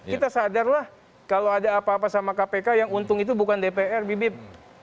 kita sadarlah kalau ada apa apa sama kpk yang untung itu bukan dpr bibip